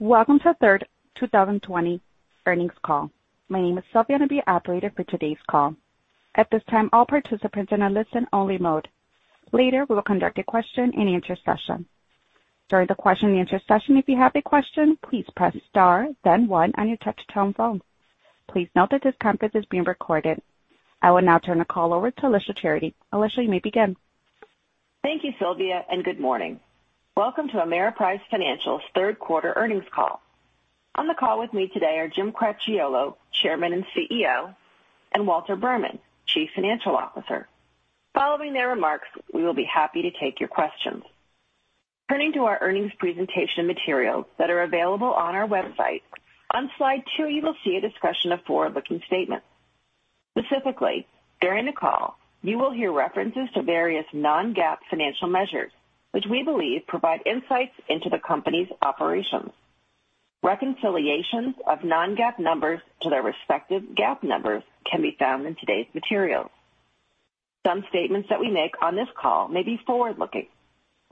Welcome to the third 2020 earnings call. My name is Sylvia, and I'll be your operator for today's call. At this time, all participants are in a listen-only mode. Later, we will conduct a question-and-answer session. During the question-and-answer session, if you have a question, please press star then one on your touch-tone phone. Please note that this conference is being recorded. I will now turn the call over to Alicia Charity. Alicia Charity, you may begin. Thank you, Sylvia, and good morning. Welcome to Ameriprise Financial's third quarter earnings call. On the call with me today are Jim Cracchiolo, Chairman and CEO, and Walter Berman, Chief Financial Officer. Following their remarks, we will be happy to take your questions. Turning to our earnings presentation materials that are available on our website, on slide two you will see a discussion of forward-looking statements. Specifically, during the call, you will hear references to various non-GAAP financial measures, which we believe provide insights into the company's operations. Reconciliations of non-GAAP numbers to their respective GAAP numbers can be found in today's materials. Some statements that we make on this call may be forward-looking,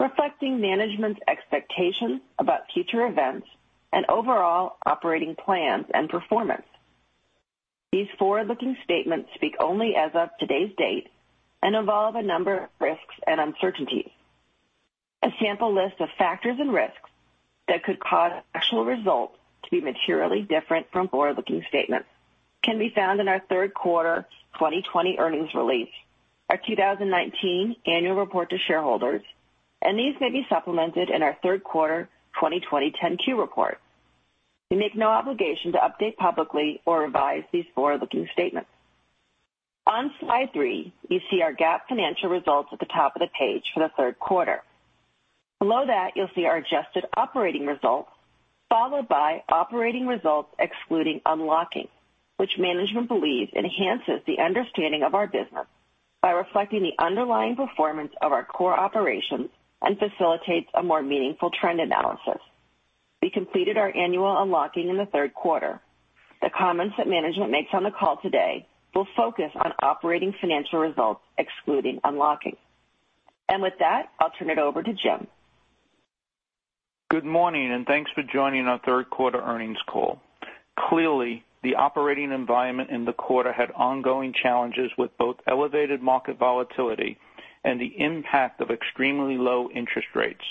reflecting management's expectations about future events and overall operating plans and performance. These forward-looking statements speak only as of today's date and involve a number of risks and uncertainties. A sample list of factors and risks that could cause actual results to be materially different from forward-looking statements can be found in our third quarter 2020 earnings release, our 2019 Annual Report to Shareholders, these may be supplemented in our third quarter 2020 10-Q report. We make no obligation to update publicly or revise these forward-looking statements. On slide three, you see our GAAP financial results at the top of the page for the third quarter. Below that, you'll see our adjusted operating results, followed by operating results excluding unlocking, which management believes enhances the understanding of our business by reflecting the underlying performance of our core operations and facilitates a more meaningful trend analysis. We completed our annual unlocking in the third quarter. The comments that management makes on the call today will focus on operating financial results excluding unlocking. With that, I'll turn it over to Jim. Good morning, thanks for joining our third quarter earnings call. Clearly, the operating environment in the quarter had ongoing challenges with both elevated market volatility and the impact of extremely low interest rates.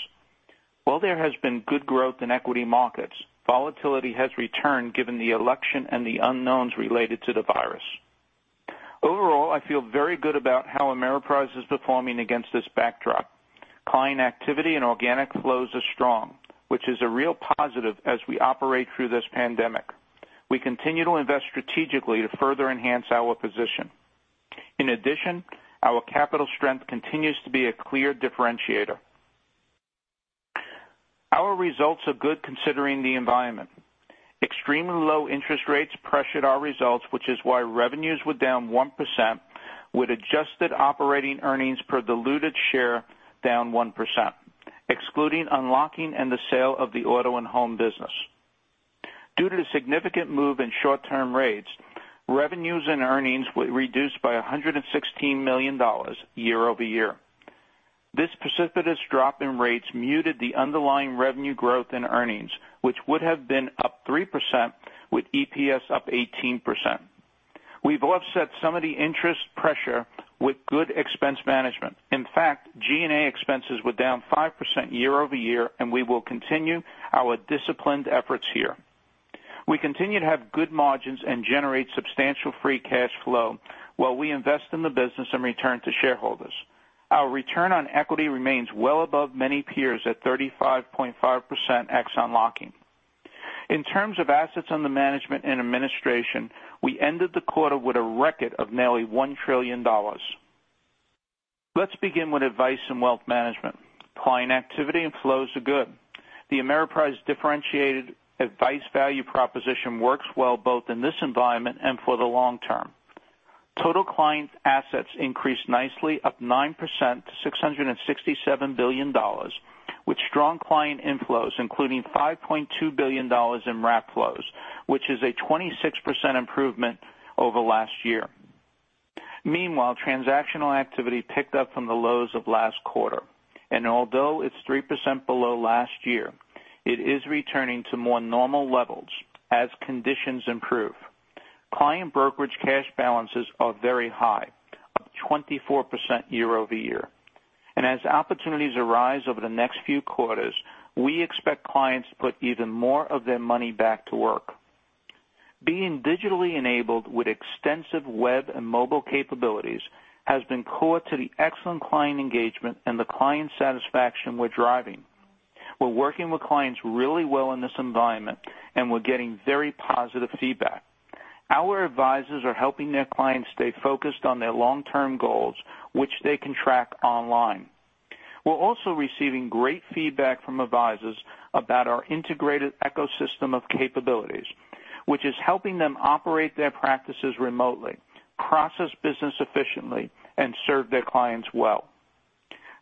While there has been good growth in equity markets, volatility has returned given the election and the unknowns related to the virus. Overall, I feel very good about how Ameriprise is performing against this backdrop. Client activity and organic flows are strong, which is a real positive as we operate through this pandemic. We continue to invest strategically to further enhance our position. In addition, our capital strength continues to be a clear differentiator. Our results are good considering the environment. Extremely low interest rates pressured our results, which is why revenues were down 1% with adjusted operating earnings per diluted share down 1%, excluding unlocking and the sale of the auto and home business. Due to the significant move in short-term rates, revenues and earnings were reduced by $116 million year-over-year. This precipitous drop in rates muted the underlying revenue growth in earnings, which would have been up 3% with EPS up 18%. We've offset some of the interest pressure with good expense management. In fact, G&A expenses were down 5% year-over-year, and we will continue our disciplined efforts here. We continue to have good margins and generate substantial free cash flow while we invest in the business and return to shareholders. Our return on equity remains well above many peers at 35.5% ex unlocking. In terms of assets under management and administration, we ended the quarter with a record of nearly $1 trillion. Let's begin with Advice & Wealth Management. Client activity and flows are good. The Ameriprise differentiated advice value proposition works well both in this environment and for the long term. Total client assets increased nicely, up 9% to $667 billion, with strong client inflows, including $5.2 billion in Wrap flows, which is a 26% improvement over last year. Transactional activity picked up from the lows of last quarter, and although it's 3% below last year, it is returning to more normal levels as conditions improve. Client brokerage cash balances are very high, up 24% year-over-year. As opportunities arise over the next few quarters, we expect clients to put even more of their money back to work. Being digitally enabled with extensive web and mobile capabilities has been core to the excellent client engagement and the client satisfaction we're driving. We're working with clients really well in this environment, and we're getting very positive feedback. Our advisors are helping their clients stay focused on their long-term goals, which they can track online. We're also receiving great feedback from advisors about our integrated ecosystem of capabilities, which is helping them operate their practices remotely, process business efficiently, and serve their clients well.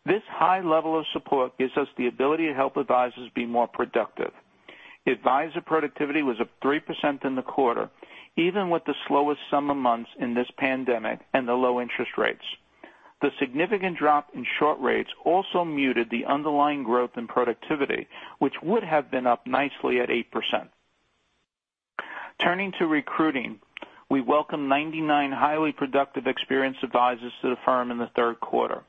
This high level of support gives us the ability to help advisors be more productive. Advisor productivity was up 3% in the quarter, even with the slowest summer months in this pandemic and the low interest rates. The significant drop in short rates also muted the underlying growth in productivity, which would have been up nicely at 8%. Turning to recruiting, we welcome 99 highly productive experienced advisors to the firm in the third quarter.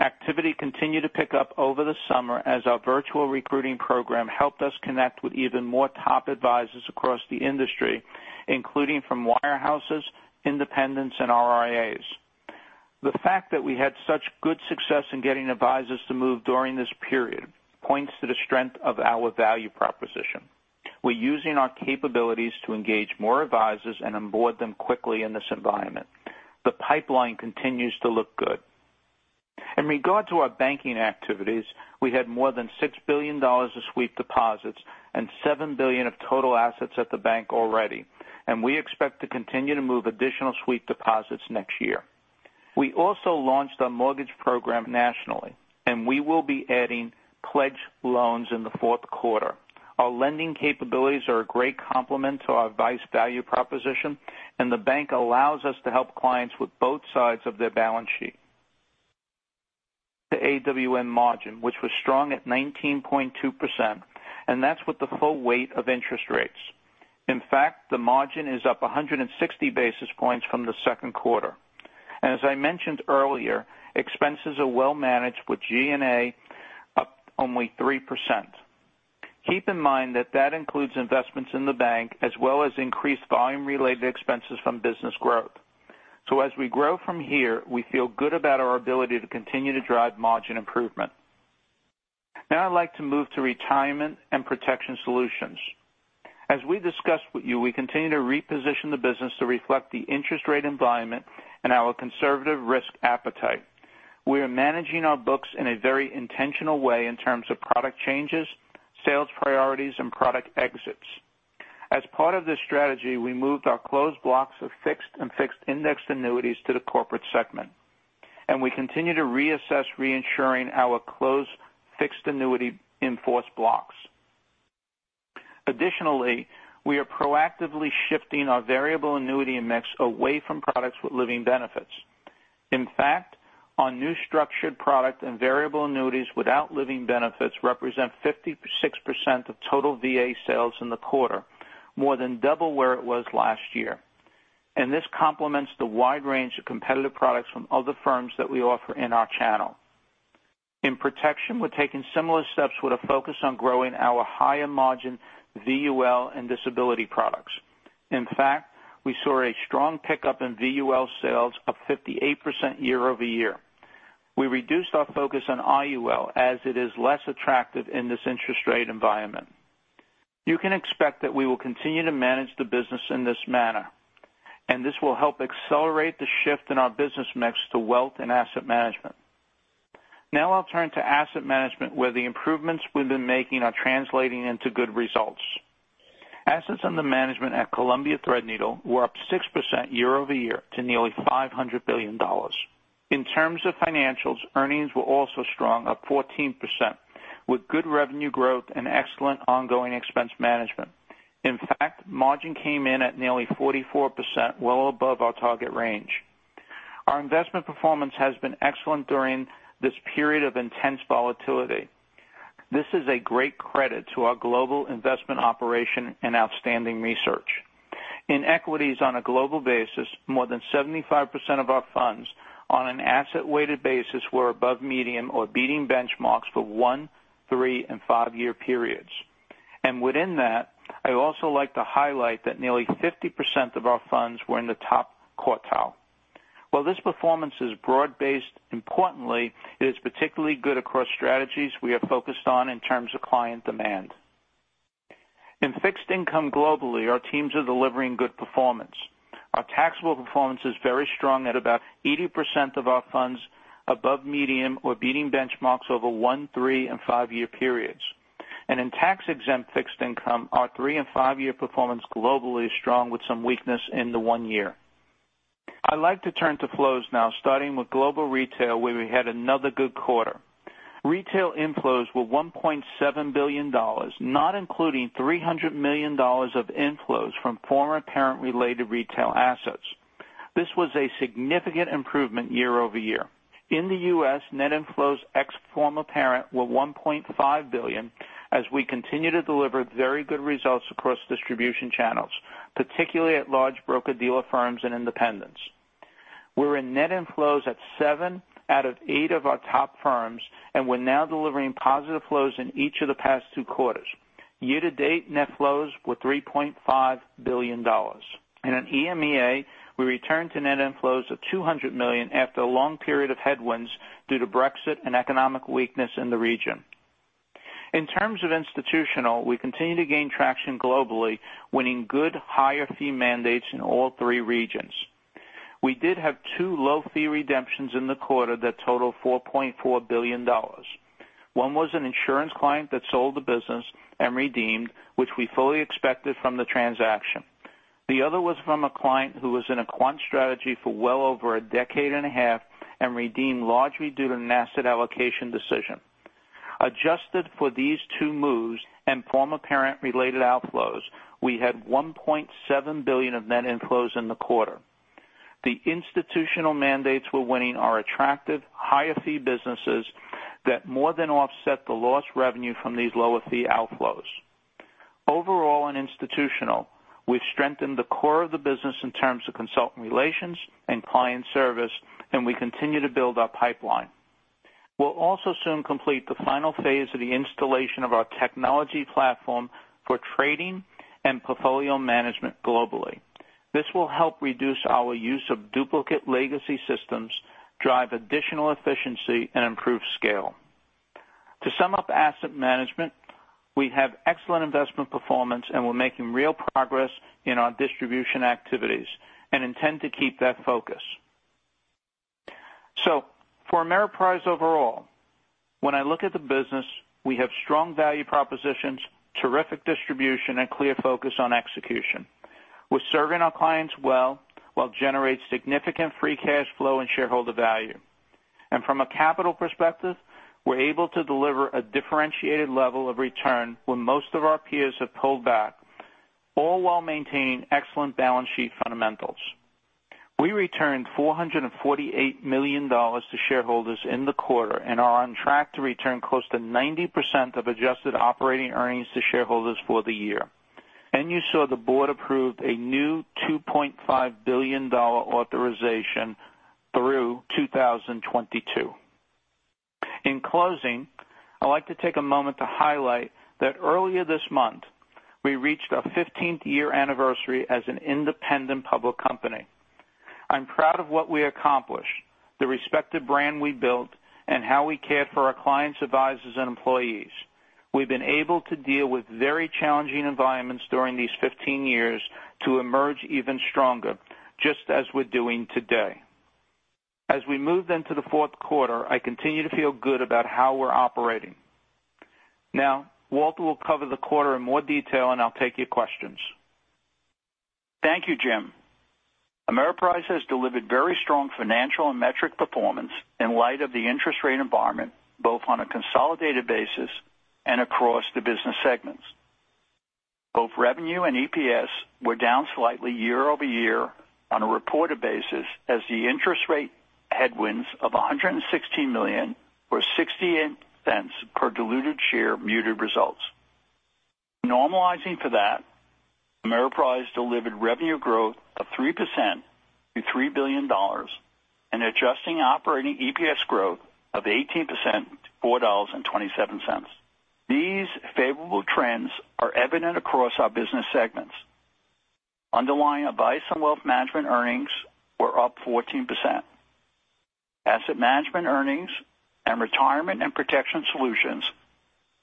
Activity continued to pick up over the summer as our virtual recruiting program helped us connect with even more top advisors across the industry, including from wirehouses, independents, and RIAs. The fact that we had such good success in getting advisors to move during this period points to the strength of our value proposition. We're using our capabilities to engage more advisors and onboard them quickly in this environment. The pipeline continues to look good. In regard to our banking activities, we had more than $6 billion of sweep deposits and $7 billion of total assets at the bank already. We expect to continue to move additional sweep deposits next year. We also launched our mortgage program nationally. We will be adding pledge loans in the fourth quarter. Our lending capabilities are a great complement to our advice value proposition. The bank allows us to help clients with both sides of their balance sheet. The AWM margin, which was strong at 19.2%. That's with the full weight of interest rates. In fact, the margin is up 160 basis points from the second quarter. As I mentioned earlier, expenses are well managed with G&A up only 3%. Keep in mind that that includes investments in the bank as well as increased volume-related expenses from business growth. As we grow from here, we feel good about our ability to continue to drive margin improvement. Now I'd like to move to Retirement & Protection Solutions. As we discussed with you, we continue to reposition the business to reflect the interest rate environment and our conservative risk appetite. We are managing our books in a very intentional way in terms of product changes, sales priorities, and product exits. As part of this strategy, we moved our closed blocks of fixed and fixed-indexed annuities to the corporate segment, and we continue to reassess reinsuring our closed fixed annuity in-force blocks. Additionally, we are proactively shifting our variable annuity mix away from products with living benefits. In fact, our new structured product and variable annuities without living benefits represent 56% of total VA sales in the quarter, more than double where it was last year. This complements the wide range of competitive products from other firms that we offer in our channel. In protection, we're taking similar steps with a focus on growing our higher margin VUL and disability products. In fact, we saw a strong pickup in VUL sales of 58% year-over-year. We reduced our focus on IUL as it is less attractive in this interest rate environment. You can expect that we will continue to manage the business in this manner, and this will help accelerate the shift in our business mix to Wealth and Asset Management. I'll turn to Asset Management, where the improvements we've been making are translating into good results. Assets under management at Columbia Threadneedle were up 6% year-over-year to nearly $500 billion. In terms of financials, earnings were also strong, up 14%, with good revenue growth and excellent ongoing expense management. In fact, margin came in at nearly 44%, well above our target range. Our investment performance has been excellent during this period of intense volatility. This is a great credit to our global investment operation and outstanding research. In equities on a global basis, more than 75% of our funds on an asset-weighted basis were above median or beating benchmarks for one, three, and five-year periods. Within that, I also like to highlight that nearly 50% of our funds were in the top quartile. While this performance is broad based, importantly, it is particularly good across strategies we are focused on in terms of client demand. In fixed income globally, our teams are delivering good performance. Our taxable performance is very strong at about 80% of our funds above median or beating benchmarks over one, three, and five-year periods. In tax-exempt fixed income, our three- and five-year performance globally is strong with some weakness in the one-year. I'd like to turn to flows now, starting with global retail, where we had another good quarter. Retail inflows were $1.7 billion, not including $300 million of inflows from former parent-related retail assets. This was a significant improvement year-over-year. In the U.S., net inflows ex former parent were $1.5 billion as we continue to deliver very good results across distribution channels, particularly at large broker-dealer firms and independents. We're in net inflows at seven out of eight of our top firms. We're now delivering positive flows in each of the past two quarters. Year to date, net flows were $3.5 billion. In EMEA, we returned to net inflows of $200 million after a long period of headwinds due to Brexit and economic weakness in the region. In terms of institutional, we continue to gain traction globally, winning good higher fee mandates in all three regions. We did have two low-fee redemptions in the quarter that total $4.4 billion. One was an insurance client that sold the business and redeemed, which we fully expected from the transaction. The other was from a client who was in a quant strategy for well over a decade and a half and redeemed largely due to an asset allocation decision. Adjusted for these two moves and former parent-related outflows, we had $1.7 billion of net inflows in the quarter. The institutional mandates we're winning are attractive, higher-fee businesses that more than offset the lost revenue from these lower-fee outflows. Overall, in institutional, we've strengthened the core of the business in terms of consultant relations and client service, and we continue to build our pipeline. We'll also soon complete the final phase of the installation of our technology platform for trading and portfolio management globally. This will help reduce our use of duplicate legacy systems, drive additional efficiency, and improve scale. To sum up Asset Management, we have excellent investment performance, and we're making real progress in our distribution activities and intend to keep that focus. For Ameriprise overall, when I look at the business, we have strong value propositions, terrific distribution, and clear focus on execution. We're serving our clients well, while generating significant free cash flow and shareholder value. From a capital perspective, we're able to deliver a differentiated level of return when most of our peers have pulled back, all while maintaining excellent balance sheet fundamentals. We returned $448 million to shareholders in the quarter and are on track to return close to 90% of adjusted operating earnings to shareholders for the year. You saw the board approved a new $2.5 billion authorization through 2022. In closing, I'd like to take a moment to highlight that earlier this month, we reached our 15th year anniversary as an independent public company. I'm proud of what we accomplished, the respected brand we built, and how we cared for our clients, advisors, and employees. We've been able to deal with very challenging environments during these 15 years to emerge even stronger, just as we're doing today. As we move into the fourth quarter, I continue to feel good about how we're operating. Now, Walter will cover the quarter in more detail, and I'll take your questions. Thank you, Jim. Ameriprise has delivered very strong financial and metric performance in light of the interest rate environment, both on a consolidated basis and across the business segments. Both revenue and EPS were down slightly year-over-year on a reported basis as the interest rate headwinds of $116 million or $0.68 per diluted share muted results. Normalizing for that, Ameriprise delivered revenue growth of 3% to $3 billion and adjusting operating EPS growth of 18% to $4.27. These favorable trends are evident across our business segments. Underlying Advice & Wealth Management earnings were up 14%. Asset Management earnings and Retirement & Protection Solutions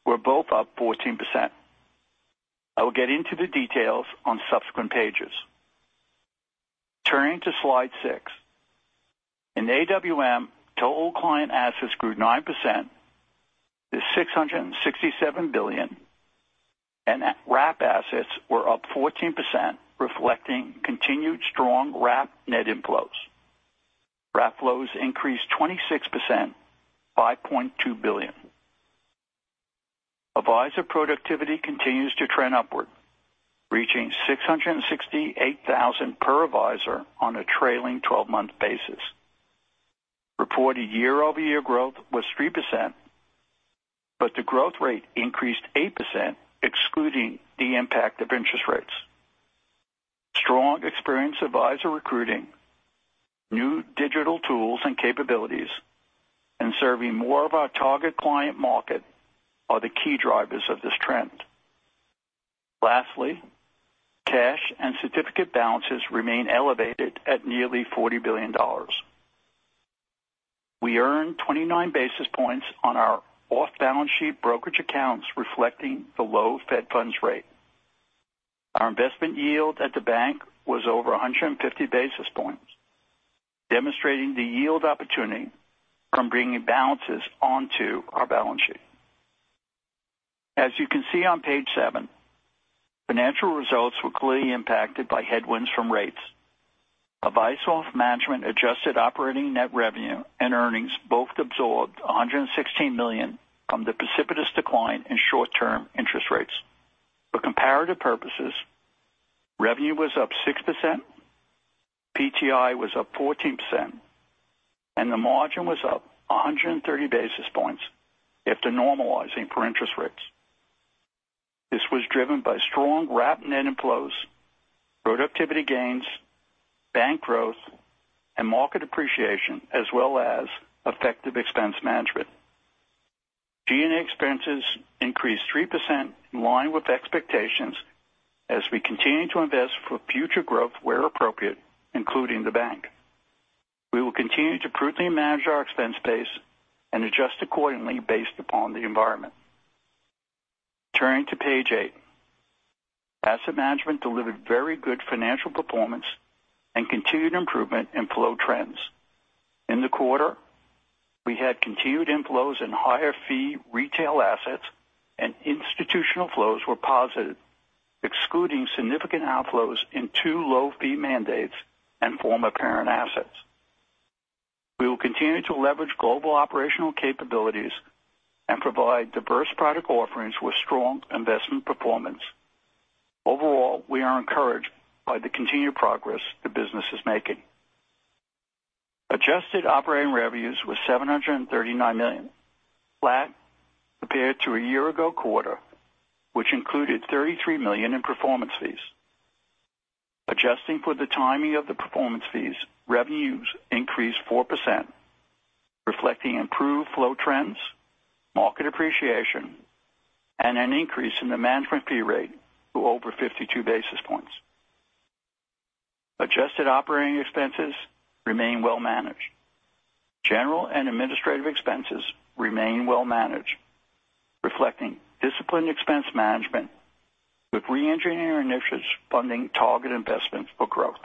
were both up 14%. I will get into the details on subsequent pages. Turning to slide six. In AWM, total client assets grew 9% to $667 billion, and Wrap assets were up 14%, reflecting continued strong Wrap net inflows. Wrap flows increased 26%, $5.2 billion. Advisor productivity continues to trend upward, reaching $668,000 per advisor on a trailing 12-month basis. Reported year-over-year growth was 3%, but the growth rate increased 8%, excluding the impact of interest rates. Strong experienced advisor recruiting, new digital tools and capabilities, and serving more of our target client market are the key drivers of this trend. Lastly, cash and certificate balances remain elevated at nearly $40 billion. We earned 29 basis points on our off-balance-sheet brokerage accounts, reflecting the low Fed funds rate. Our investment yield at the bank was over 150 basis points, demonstrating the yield opportunity from bringing balances onto our balance sheet. As you can see on page seven, financial results were clearly impacted by headwinds from rates. Advice & Wealth Management adjusted operating net revenue and earnings both absorbed $116 million from the precipitous decline in short-term interest rates. For comparative purposes, revenue was up 6%, PTI was up 14%, and the margin was up 130 basis points after normalizing for interest rates. This was driven by strong Wrap net inflows, productivity gains, bank growth, and market appreciation, as well as effective expense management. G&A expenses increased 3% in line with expectations as we continue to invest for future growth where appropriate, including the bank. We will continue to prudently manage our expense base and adjust accordingly based upon the environment. Turning to page eight. Asset Management delivered very good financial performance and continued improvement in flow trends. In the quarter, we had continued inflows in higher-fee retail assets and institutional flows were positive, excluding significant outflows in two low-fee mandates and former parent assets. We will continue to leverage global operational capabilities and provide diverse product offerings with strong investment performance. Overall, we are encouraged by the continued progress the business is making. Adjusted operating revenues was $739 million, flat compared to a year ago quarter, which included $33 million in performance fees. Adjusting for the timing of the performance fees, revenues increased 4%, reflecting improved flow trends, market appreciation, and an increase in the management fee rate to over 52 basis points. Adjusted operating expenses remain well managed. General and administrative expenses remain well managed, reflecting disciplined expense management with re-engineering initiatives funding target investments for growth.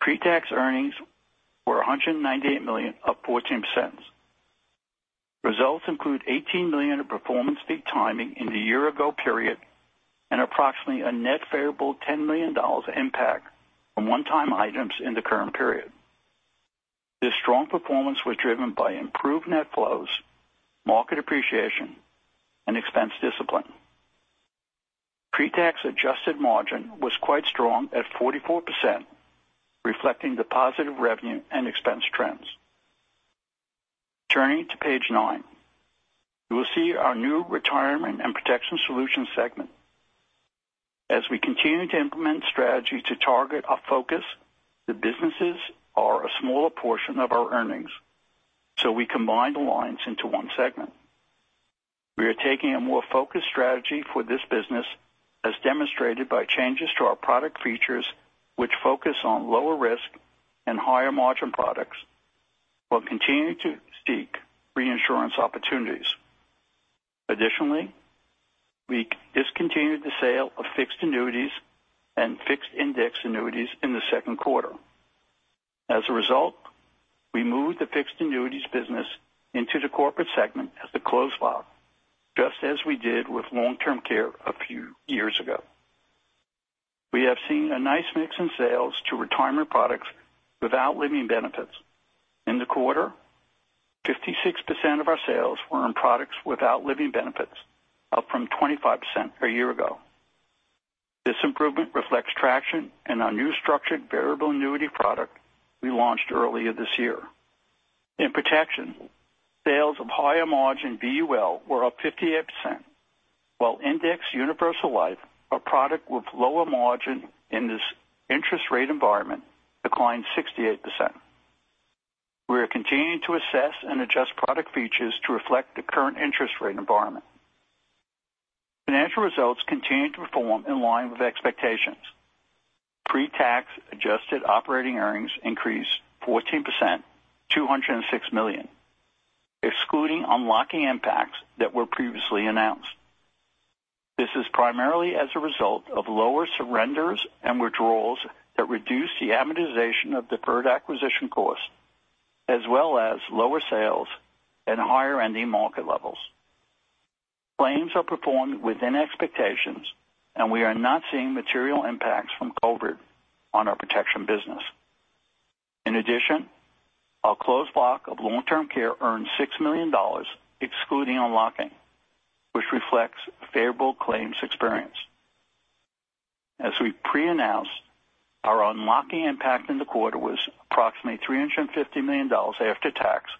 Pre-tax earnings were $198 million, up 14%. Results include $18 million of performance fee timing in the year-ago period and approximately a net favorable $10 million impact from one-time items in the current period. This strong performance was driven by improved net flows, market appreciation, and expense discipline. Pre-tax adjusted margin was quite strong at 44%, reflecting the positive revenue and expense trends. Turning to page nine, you will see our new Retirement & Protection Solutions segment. As we continue to implement strategy to target our focus, the businesses are a smaller portion of our earnings, so we combined the lines into one segment. We are taking a more focused strategy for this business, as demonstrated by changes to our product features which focus on lower risk and higher margin products, while continuing to seek reinsurance opportunities. Additionally, we discontinued the sale of fixed annuities and fixed-index annuities in the second quarter. As a result, we moved the fixed annuities business into the corporate segment as a closed block, just as we did with long-term care a few years ago. We have seen a nice mix in sales to retirement products without living benefits. In the quarter, 56% of our sales were on products without living benefits, up from 25% a year ago. This improvement reflects traction in our new structured variable annuity product we launched earlier this year. In protection, sales of higher margin VUL were up 58%, while index universal life, a product with lower margin in this interest rate environment, declined 68%. We are continuing to assess and adjust product features to reflect the current interest rate environment. Financial results continue to perform in line with expectations. Pre-tax adjusted operating earnings increased 14%, $206 million, excluding unlocking impacts that were previously announced. This is primarily as a result of lower surrenders and withdrawals that reduce the amortization of deferred acquisition costs, as well as lower sales and higher ending market levels. Claims are performed within expectations, and we are not seeing material impacts from COVID on our protection business. In addition, our closed block of long-term care earned $6 million, excluding unlocking, which reflects favorable claims experience. As we pre-announced, our unlocking impact in the quarter was approximately $350 million after-tax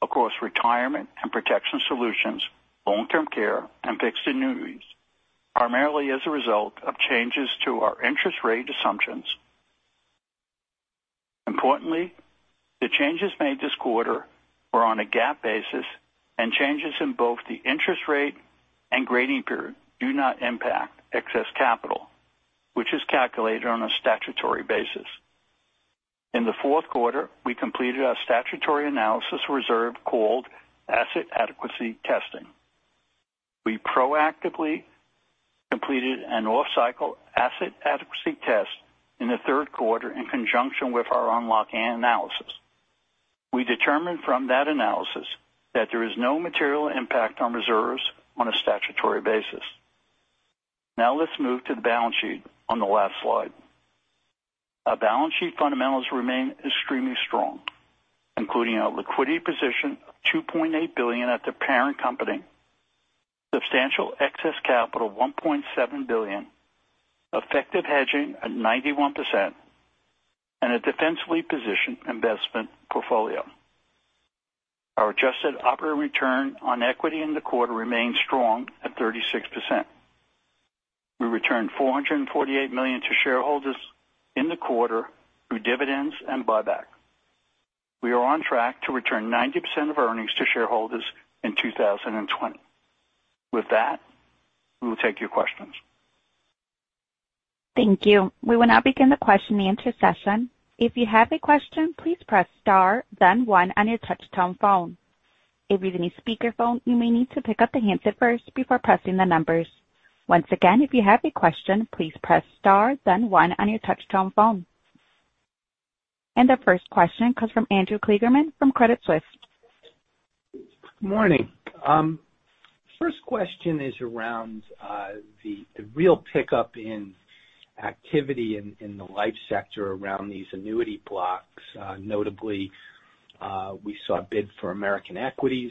across Retirement & Protection Solutions, Long-Term Care, and Fixed Annuities, primarily as a result of changes to our interest rate assumptions. Importantly, the changes made this quarter were on a GAAP basis, and changes in both the interest rate and grading period do not impact excess capital, which is calculated on a statutory basis. In the fourth quarter, we completed our statutory analysis reserve, called asset adequacy testing. We proactively completed an off-cycle asset adequacy test in the third quarter in conjunction with our unlocking analysis. We determined from that analysis that there is no material impact on reserves on a statutory basis. Now let's move to the balance sheet on the last slide. Our balance sheet fundamentals remain extremely strong, including a liquidity position of $2.8 billion at the parent company, substantial excess capital of $1.7 billion, effective hedging at 91%, and a defensively positioned investment portfolio. Our adjusted operating return on equity in the quarter remained strong at 36%. We returned $448 million to shareholders in the quarter through dividends and buyback. We are on track to return 90% of earnings to shareholders in 2020. With that, we will take your questions. Thank you. We will now begin the question and answer session. If you have a question, please press star then one on your touchtone phone. If using a speakerphone, you may need to pick up the handset first before pressing the numbers. Once again, if you have a question, please press star then one on your touchtone phone. Our first question comes from Andrew Kligerman from Credit Suisse. Morning. First question is around the real pickup in activity in the life sector around these annuity blocks. Notably, we saw a bid for American Equity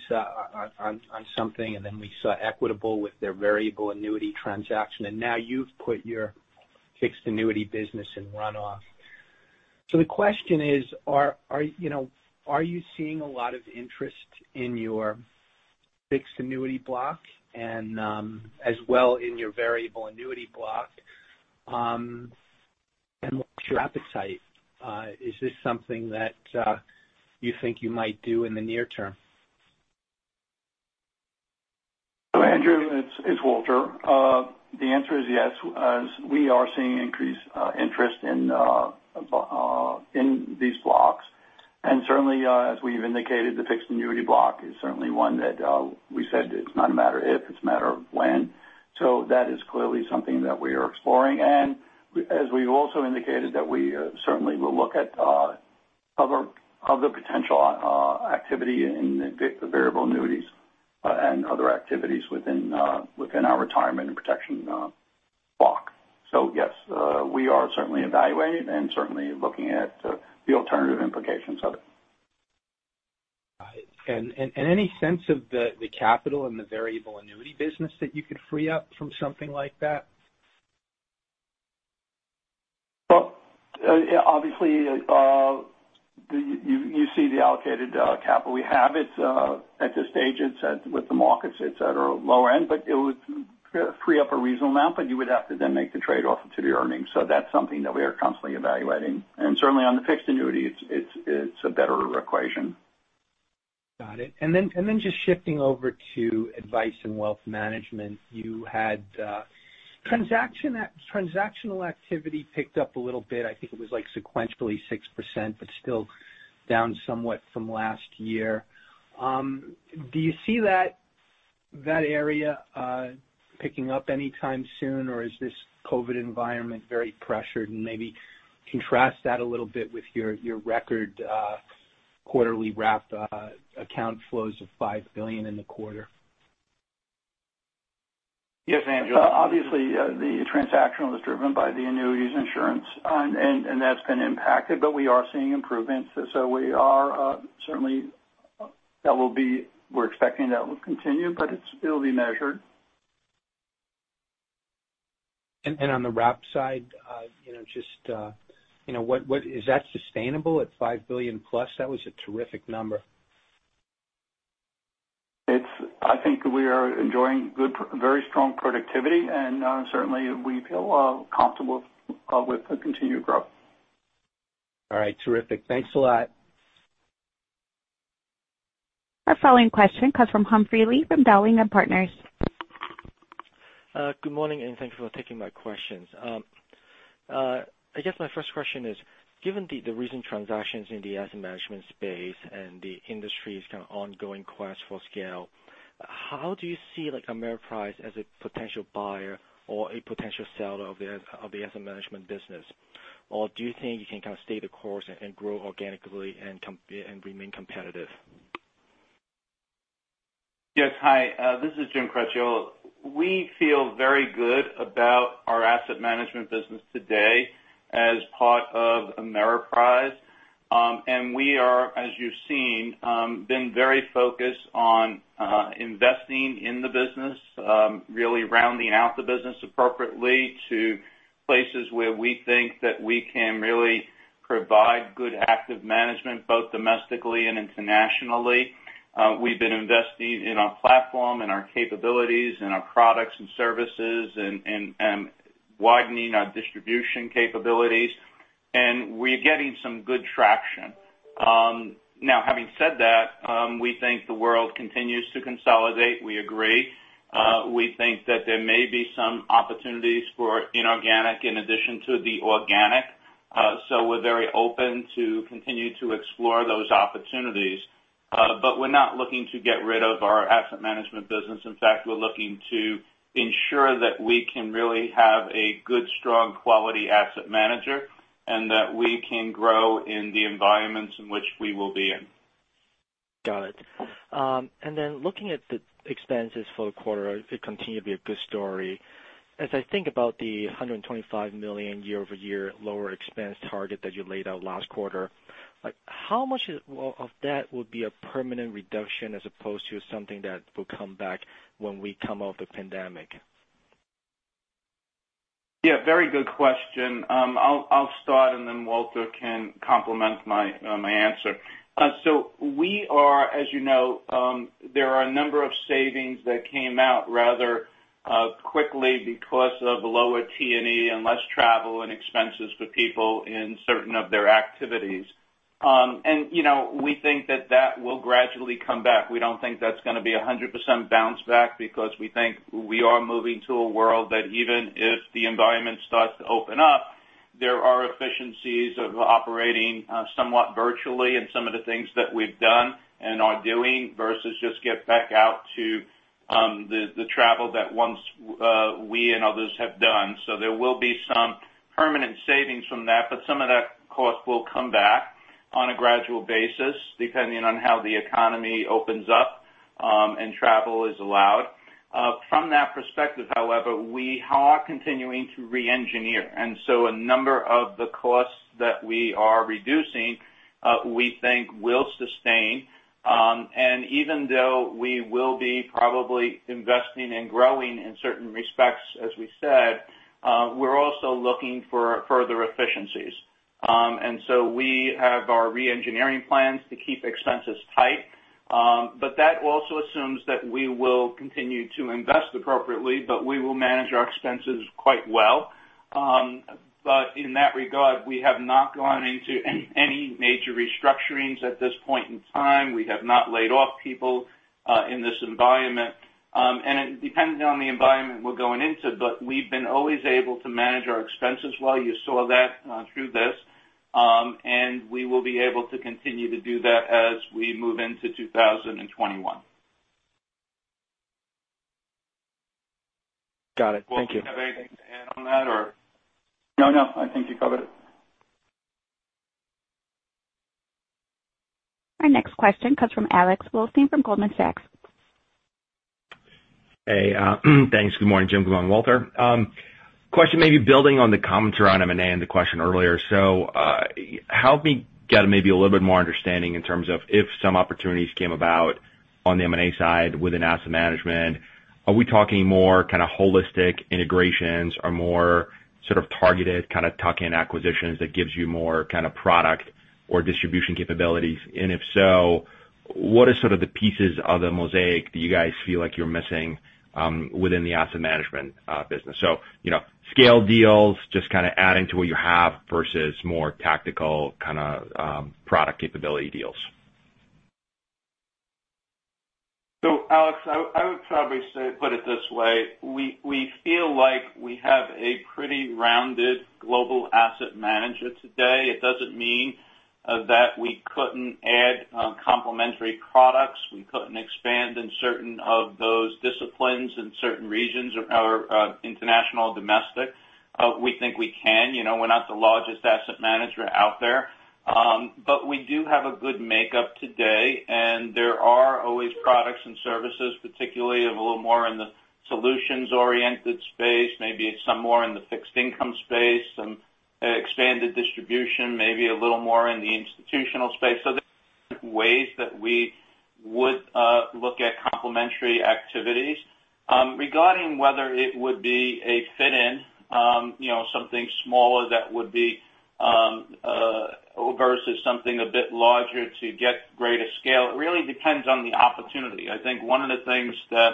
on something, then we saw Equitable with their variable annuity transaction, and now you've put your fixed annuity business in run-off. The question is. Are you seeing a lot of interest in your fixed annuity block and as well in your variable annuity block? What's your appetite? Is this something that you think you might do in the near term? Andrew, it's Walter. The answer is yes. We are seeing increased interest in these blocks. And certainly, as we've indicated, the fixed annuity block is certainly one that we said it's not a matter of if, it's a matter of when. That is clearly something that we are exploring. And as we've also indicated, that we certainly will look at other potential activity in the variable annuities and other activities within our Retirement and Protection block. Yes, we are certainly evaluating and certainly looking at the alternative implications of it. Got it. Any sense of the capital in the variable annuity business that you could free up from something like that? Well, obviously, you see the allocated capital we have. At this stage, with the markets, it's at our lower end, but it would free up a reasonable amount, but you would have to then make the trade-off to the earnings. That's something that we are constantly evaluating. Certainly, on the fixed annuity, it's a better equation. Got it. Just shifting over to Advice & Wealth Management, you had transactional activity picked up a little bit. I think it was sequentially 6% but still down somewhat from last year. Do you see that area picking up anytime soon, or is this COVID environment very pressured, and maybe contrast that a little bit with your record quarterly Wrap account flows of $5 billion in the quarter? Yes, Andrew. Obviously, the transactional is driven by the annuities insurance, and that's been impacted. We are seeing improvements. Certainly, we're expecting that will continue, but it'll be measured. On the Wrap side, is that sustainable at $5 billion+? That was a terrific number. I think we are enjoying very strong productivity, and certainly, we feel comfortable with the continued growth. All right, terrific. Thanks a lot. Our following question comes from Humphrey Lee from Dowling & Partners. Good morning. Thank you for taking my questions. I guess my first question is, given the recent transactions in the Asset Management space and the industry's kind of ongoing quest for scale, how do you see Ameriprise as a potential buyer or a potential seller of the Asset Management business? Do you think you can kind of stay the course and grow organically and remain competitive? Yes. Hi. This is Jim Cracchiolo. We feel very good about our Asset Management business today as part of Ameriprise. We are, as you've seen, been very focused on investing in the business, really rounding out the business appropriately to places where we think that we can really provide good active management, both domestically and internationally. We've been investing in our platform and our capabilities and our products and services and widening our distribution capabilities, and we're getting some good traction. Having said that, we think the world continues to consolidate. We agree. We think that there may be some opportunities for inorganic in addition to the organic. We're very open to continue to explore those opportunities. We're not looking to get rid of our Asset Management business. In fact, we're looking to ensure that we can really have a good, strong, quality asset manager and that we can grow in the environments in which we will be in. Got it. Looking at the expenses for the quarter, it continued to be a good story. As I think about the $125 million year-over-year lower expense target that you laid out last quarter, how much of that would be a permanent reduction as opposed to something that will come back when we come out of the pandemic? Yeah. Very good question. I'll start and then Walter can complement my answer. We are, as you know, there are a number of savings that came out rather quickly because of lower T&E and less travel and expenses for people in certain of their activities. We think that that will gradually come back. We don't think that's going to be 100% bounce back because we think we are moving to a world that even if the environment starts to open up, there are efficiencies of operating somewhat virtually and some of the things that we've done and are doing versus just get back out to the travel that once we and others have done. There will be some permanent savings from that, but some of that cost will come back on a gradual basis, depending on how the economy opens up and travel is allowed. From that perspective, however, we are continuing to re-engineer. A number of the costs that we are reducing we think will sustain. Even though we will be probably investing and growing in certain respects, as we said, we're also looking for further efficiencies. We have our re-engineering plans to keep expenses tight. That also assumes that we will continue to invest appropriately, but we will manage our expenses quite well. In that regard, we have not gone into any major restructurings at this point in time. We have not laid off people in this environment. It depends on the environment we're going into, but we've been always able to manage our expenses well. You saw that through this. We will be able to continue to do that as we move into 2021. Got it. Thank you. Walter, do you have anything to add on that or? No, I think you covered it. Our next question comes from Alex Blostein from Goldman Sachs. Hey. Thanks. Good morning, Jim. Good morning, Walter. Question maybe building on the commentary on M&A and the question earlier. Help me get maybe a little bit more understanding in terms of if some opportunities came about on the M&A side within Asset Management, are we talking more kind of holistic integrations or more sort of targeted kind of tuck-in acquisitions that gives you more kind of product or distribution capabilities? If so, what is sort of the pieces of the mosaic that you guys feel like you're missing within the Asset Management business? Scale deals, just kind of adding to what you have versus more tactical kind of product capability deals. Alex, I would probably put it this way. We feel like we have a pretty rounded global asset manager today. It doesn't mean that we couldn't add complementary products, we couldn't expand in certain of those disciplines in certain regions or international or domestic. We think we can. We're not the largest asset manager out there. We do have a good makeup today, and there are always products and services, particularly a little more in the solutions-oriented space, maybe some more in the fixed income space, some expanded distribution, maybe a little more in the institutional space. There are ways that we would look at complementary activities. Regarding whether it would be a fit in, something smaller versus something a bit larger to get greater scale, it really depends on the opportunity. I think one of the things that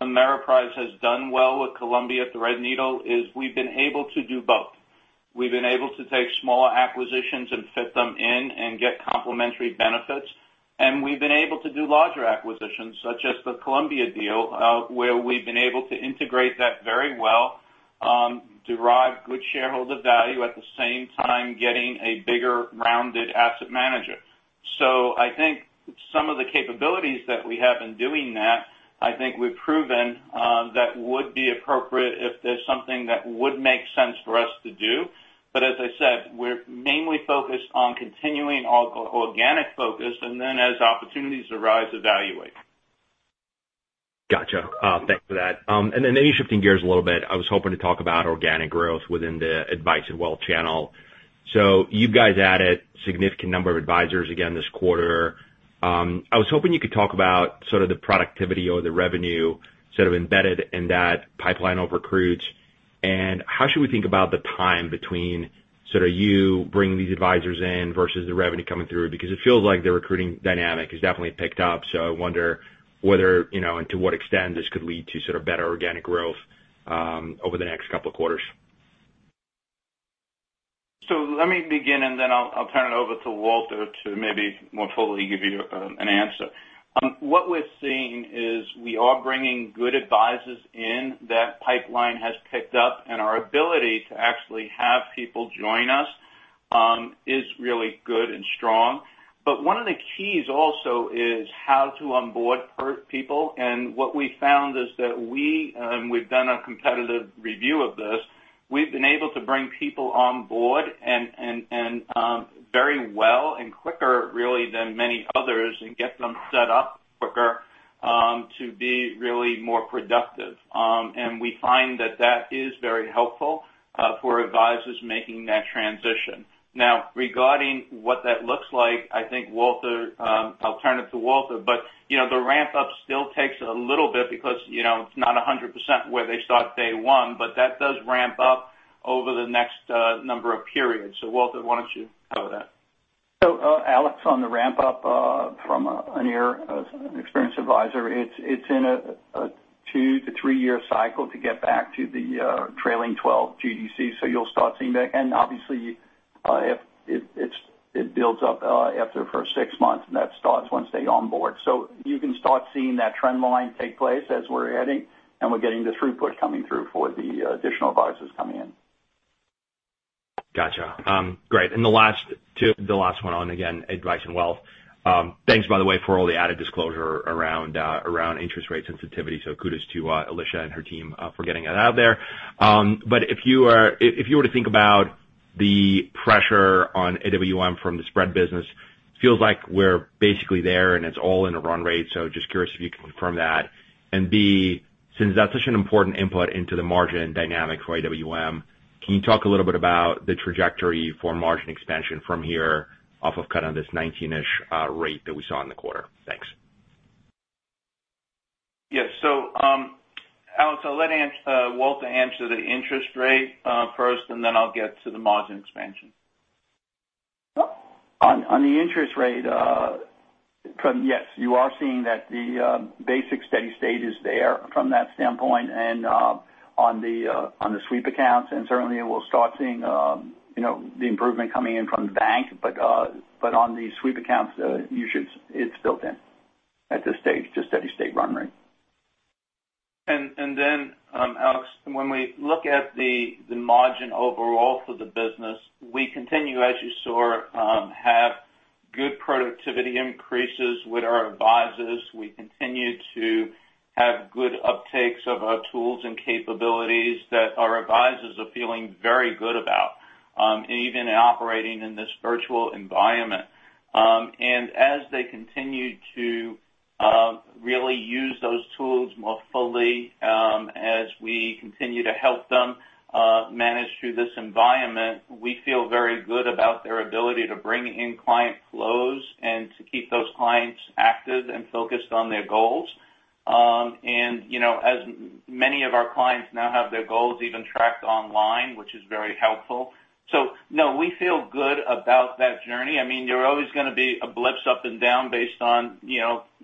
Ameriprise has done well with Columbia Threadneedle is we've been able to do both. We've been able to take smaller acquisitions and fit them in and get complementary benefits. We've been able to do larger acquisitions such as the Columbia deal, where we've been able to integrate that very well, derive good shareholder value, at the same time getting a bigger rounded asset manager. I think some of the capabilities that we have in doing that, I think we've proven that would be appropriate if there's something that would make sense for us to do. As I said, we're mainly focused on continuing our organic focus and then as opportunities arise, evaluate. Got you. Thanks for that. Maybe shifting gears a little bit, I was hoping to talk about organic growth within the Advice and Wealth channel. You guys added significant number of advisors again this quarter. I was hoping you could talk about sort of the productivity or the revenue sort of embedded in that pipeline of recruits, and how should we think about the time between sort of you bringing these advisors in versus the revenue coming through? Because it feels like the recruiting dynamic has definitely picked up. I wonder whether, and to what extent this could lead to sort of better organic growth over the next couple of quarters. Let me begin, and then I'll turn it over to Walter to maybe more fully give you an answer. What we're seeing is we are bringing good advisors in. That pipeline has picked up, and our ability to actually have people join us is really good and strong. But one of the keys also is how to onboard people. What we found is that we, and we've done a competitive review of this, we've been able to bring people on board very well and quicker really than many others and get them set up quicker to be really more productive. We find that that is very helpful for advisors making that transition. Now, regarding what that looks like, I'll turn it to Walter. The ramp-up still takes a little bit because it's not 100% where they start day one, but that does ramp up over the next number of periods. Walter, why don't you cover that? Alex, on the ramp-up from a near experienced advisor, it's in a two to three-year cycle to get back to the trailing 12 GDC. You'll start seeing that. Obviously, it builds up after the first six months. That starts once they onboard. You can start seeing that trend line take place as we're adding, and we're getting the throughput coming through for the additional advisors coming in. Got you. Great. The last one on, again, Advice and Wealth. Thanks, by the way, for all the added disclosure around interest rate sensitivity. Kudos to Alicia and her team for getting that out there. If you were to think about the pressure on AWM from the spread business, feels like we're basically there and it's all in a run rate. Just curious if you can confirm that. B, since that's such an important input into the margin dynamics for AWM, can you talk a little bit about the trajectory for margin expansion from here off of kind of this 19-ish rate that we saw in the quarter? Thanks. Yes. Alex, I'll let Walter answer the interest rate first, then I'll get to the margin expansion. On the interest rate, yes, you are seeing that the basic steady state is there from that standpoint and on the sweep accounts. Certainly we'll start seeing the improvement coming in from the bank. On the sweep accounts, it's built in at this stage to steady state run rate. Alex, when we look at the margin overall for the business, we continue, as you saw, have good productivity increases with our advisors. We continue to have good uptakes of our tools and capabilities that our advisors are feeling very good about, even operating in this virtual environment. As they continue to really use those tools more fully, as we continue to help them manage through this environment, we feel very good about their ability to bring in client flows and to keep those clients active and focused on their goals. As many of our clients now have their goals even tracked online, which is very helpful. No, we feel good about that journey. There are always going to be a blips up and down based on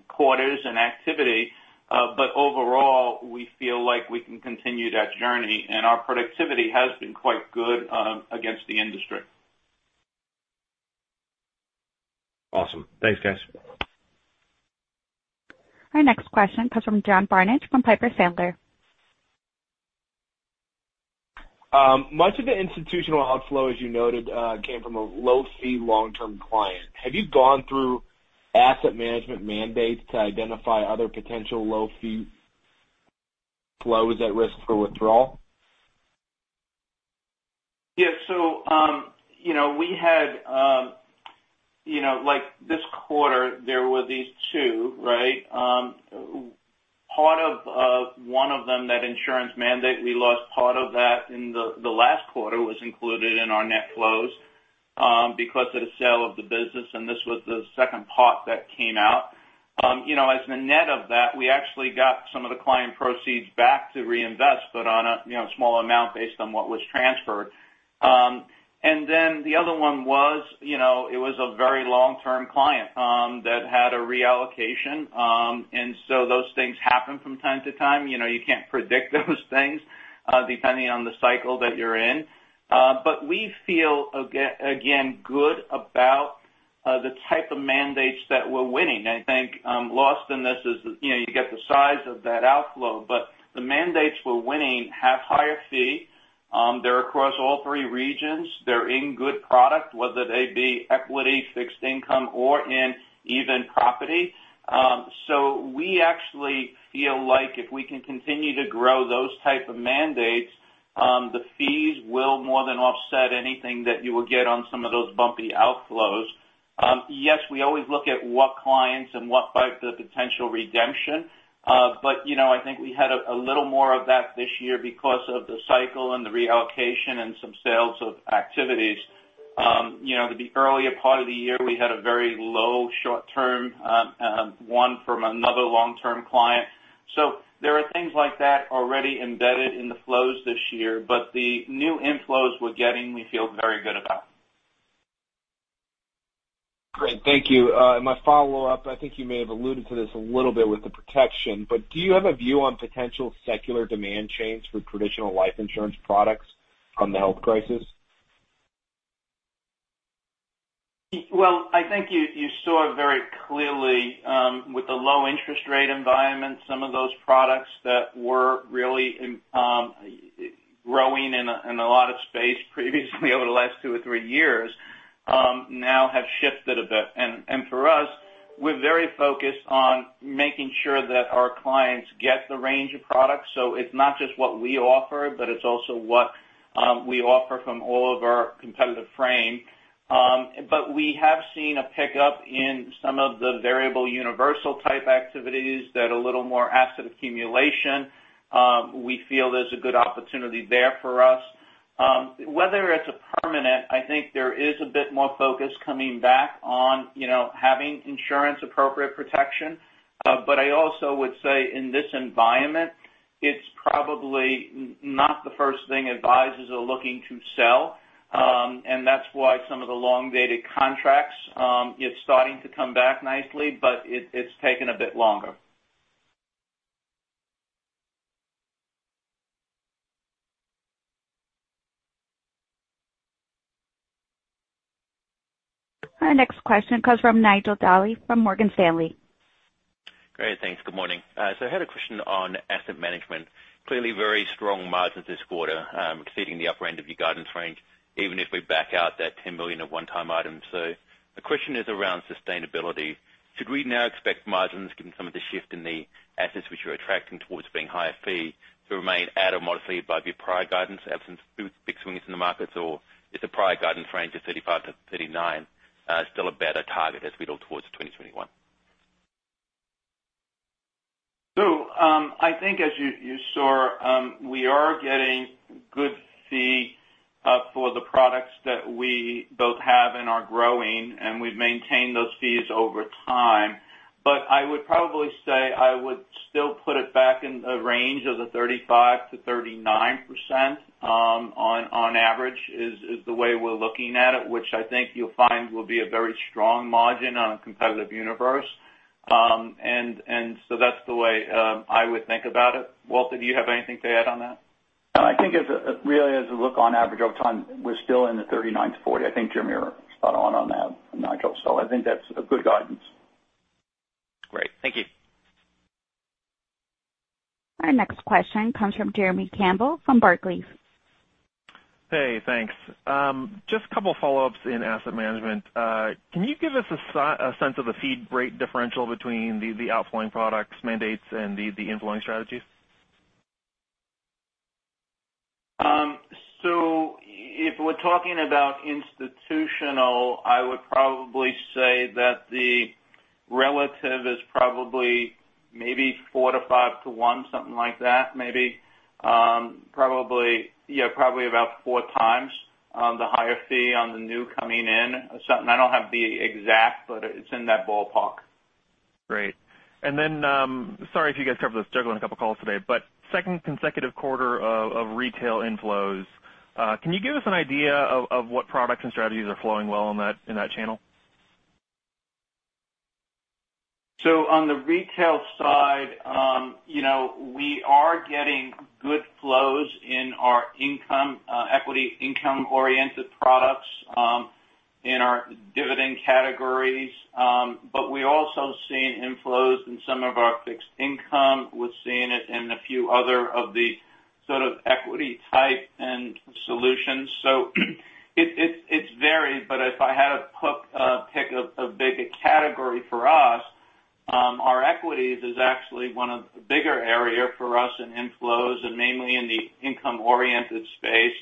quarters and activity. Overall, we feel like we can continue that journey, and our productivity has been quite good against the industry. Awesome. Thanks, guys. Our next question comes from John Barnidge from Piper Sandler. Much of the institutional outflow, as you noted, came from a low-fee long-term client. Have you gone through Asset Management mandates to identify other potential low-fee flows at risk for withdrawal? Yes. This quarter, there were these two, right? Part of one of them, that insurance mandate, we lost part of that in the last quarter was included in our net flows because of the sale of the business, and this was the second part that came out. As the net of that, we actually got some of the client proceeds back to reinvest, but on a small amount based on what was transferred. The other one was a very long-term client that had a reallocation. Those things happen from time to time. You can't predict those things, depending on the cycle that you're in. We feel, again, good about the type of mandates that we're winning. I think lost in this is you get the size of that outflow, but the mandates we're winning have higher fee. They're across all three regions. They're in good product, whether they be equity, fixed income, or in even property. We actually feel like if we can continue to grow those type of mandates, the fees will more than offset anything that you will get on some of those bumpy outflows. Yes, we always look at what clients and what type of potential redemption. I think we had a little more of that this year because of the cycle and the reallocation and some sales of activities. The earlier part of the year, we had a very low short term, one from another long-term client. There are things like that already embedded in the flows this year, but the new inflows we're getting, we feel very good about. Great. Thank you. My follow-up, I think you may have alluded to this a little bit with the protection, but do you have a view on potential secular demand change for traditional life insurance products on the health crisis? Well, I think you saw very clearly with the low interest rate environment, some of those products that were really growing in a lot of space previously over the last two or three years now have shifted a bit. For us, we're very focused on making sure that our clients get the range of products. It's not just what we offer, but it's also what we offer from all of our competitive frame. We have seen a pickup in some of the variable universal type activities that a little more asset accumulation. We feel there's a good opportunity there for us. Whether it's a permanent, I think there is a bit more focus coming back on having insurance appropriate protection. I also would say in this environment, it's probably not the first thing advisors are looking to sell. That's why some of the long-dated contracts, it's starting to come back nicely, but it's taken a bit longer. Our next question comes from Nigel Dally from Morgan Stanley. Great. Thanks. Good morning. I had a question on Asset Management. Clearly very strong margins this quarter, exceeding the upper end of your guidance range, even if we back out that $10 million of one-time items. The question is around sustainability. Should we now expect margins, given some of the shift in the assets which you're attracting towards being higher fee, to remain at or modestly above your prior guidance, absent big swings in the markets, or is the prior guidance range of 35%-39% still a better target as we look towards 2021? I think as you saw, we are getting good fee for the products that we both have and are growing, and we've maintained those fees over time. I would probably say I would still put it back in the range of the 35%-39%, on average, is the way we're looking at it, which I think you'll find will be a very strong margin on a competitive universe. That's the way I would think about it. Walter, do you have anything to add on that? No, I think really as we look on average over time, we're still in the 39-40. I think Jim, you're spot on that, Nigel. I think that's a good guidance. Great. Thank you. Our next question comes from Jeremy Campbell from Barclays. Hey, thanks. Just a couple follow-ups in Asset Management. Can you give us a sense of the fee break differential between the outflowing products mandates and the inflowing strategies? If we're talking about institutional, I would probably say that the relative is probably maybe four to five to one, something like that, maybe. Probably about 4x the higher fee on the new coming in. I don't have the exact, but it's in that ballpark. Great. Then, sorry if you guys covered this. Juggling a couple calls today. Second consecutive quarter of retail inflows. Can you give us an idea of what products and strategies are flowing well in that channel? On the retail side, we are getting good flows in our equity income-oriented products, in our dividend categories. We also have seen inflows in some of our fixed income. We're seeing it in a few other of the sort of equity type end solutions. It's varied, but if I had to pick a bigger category for us, our equities is actually one of the bigger area for us in inflows, and mainly in the income-oriented space.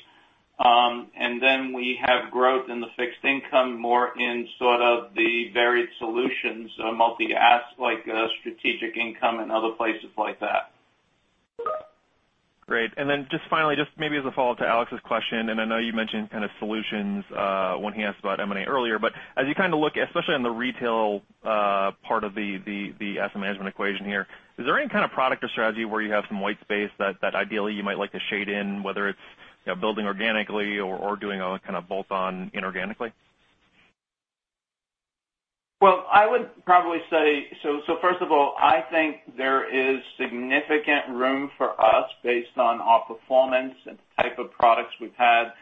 Then we have growth in the fixed income, more in sort of the varied solutions, so multi-asset like strategic income and other places like that. Great. Then just finally, just maybe as a follow-up to Alex's question, I know you mentioned kind of solutions when he asked about M&A earlier, as you look, especially on the retail part of the Asset Management equation here, is there any kind of product or strategy where you have some white space that ideally you might like to shade in, whether it's building organically or doing a kind of bolt-on inorganically? I would probably say first of all, I think there is significant room for us based on our performance and the type of products we've had,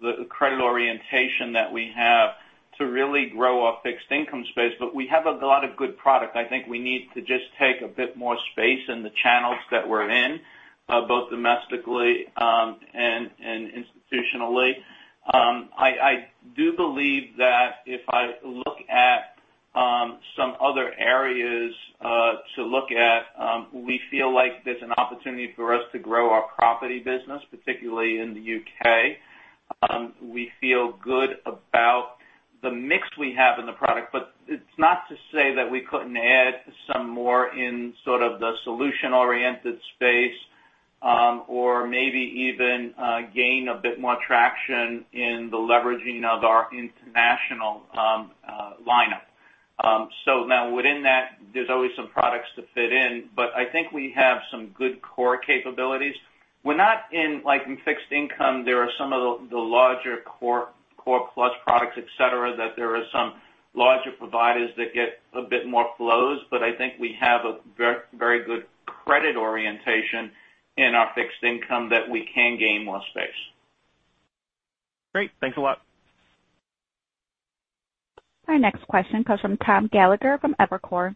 the credit orientation that we have to really grow our fixed-income space. We have a lot of good product. I think we need to just take a bit more space in the channels that we're in, both domestically and institutionally. I do believe that if I look at some other areas to look at, we feel like there's an opportunity for us to grow our property business, particularly in the U.K. We feel good about the mix we have in the product, but it's not to say that we couldn't add some more in sort of the solution-oriented space, or maybe even gain a bit more traction in the leveraging of our international lineup. Now within that, there's always some products to fit in, but I think we have some good core capabilities. We're not in, like in fixed-income, there are some of the larger core plus products, et cetera, that there are some larger providers that get a bit more flows. I think we have a very good credit orientation in our fixed income that we can gain more space. Great. Thanks a lot. Our next question comes from Tom Gallagher from Evercore.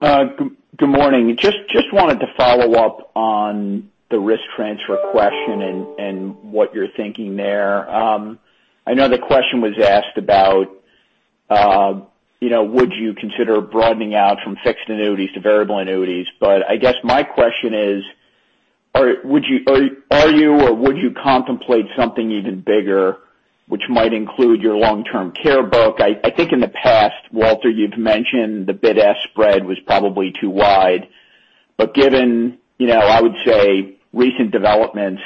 Good morning. Just wanted to follow up on the risk transfer question and what you're thinking there. I know the question was asked about would you consider broadening out from fixed annuities to variable annuities, I guess my question is, are you or would you contemplate something even bigger, which might include your long-term care book? I think in the past, Walter, you've mentioned the bid-ask spread was probably too wide. Given, I would say recent developments,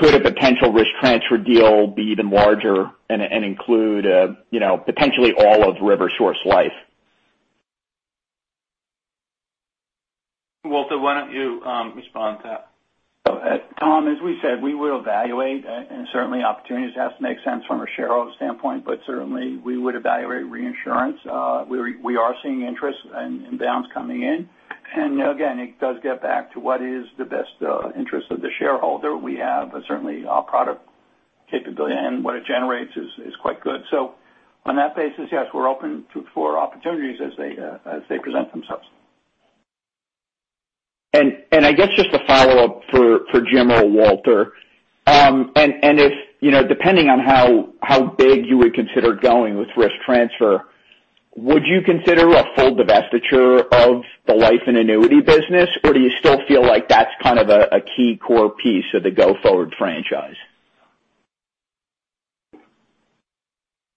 could a potential risk transfer deal be even larger and include potentially all of RiverSource Life? Walter, why don't you respond to that? Tom, as we said, we will evaluate, and certainly opportunities have to make sense from a shareholder standpoint. Certainly we would evaluate reinsurance. We are seeing interest and inbounds coming in. Again, it does get back to what is the best interest of the shareholder. We have certainly a product capability, and what it generates is quite good. On that basis, yes, we're open for opportunities as they present themselves. I guess just a follow-up for Jim or Walter. Depending on how big you would consider going with risk transfer, would you consider a full divestiture of the life and annuity business, or do you still feel like that's kind of a key core piece of the go-forward franchise?